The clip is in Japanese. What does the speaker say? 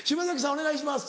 お願いします。